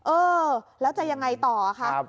เออแล้วจะยังไงต่อคะ